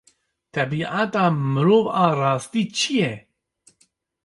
Tebîata mirov a rastî çi ye?